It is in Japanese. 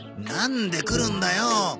なんで来るんだよ。